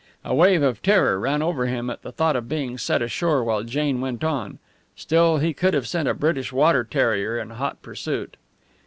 A wave of terror ran over him at the thought of being set ashore while Jane went on. Still he could have sent a British water terrier in hot pursuit.